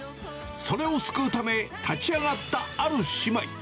それを救うため、立ち上がったある姉妹。